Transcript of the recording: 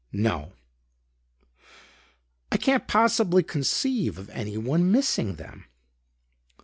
"No." "I can't possibly conceive of anyone missing them."